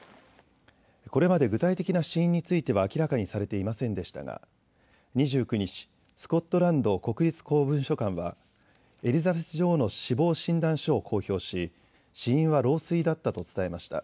これまで具体的な死因については明らかにされていませんでしたが２９日、スコットランド国立公文書館はエリザベス女王の死亡診断書を公表し死因は老衰だったと伝えました。